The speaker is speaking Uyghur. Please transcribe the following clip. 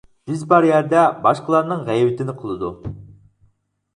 بىز بار يەردە باشقىلارنىڭ غەيۋىتىنى قىلىدۇ.